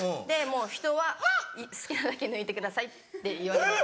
人は好きなだけ抜いてください」って言われるんです。